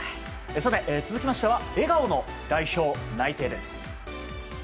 さて、続きましては笑顔の代表内定です。